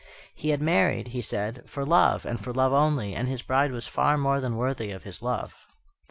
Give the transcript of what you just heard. "He had married," he said, "for love, and for love only; and his bride was far more than worthy of his love."